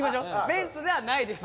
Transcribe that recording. ベンツではないです。